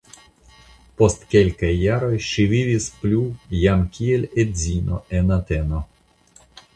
Post kelkaj jaroj ŝi vivis plu jam kiel edzino en Ateno.